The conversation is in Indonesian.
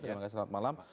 terima kasih selamat malam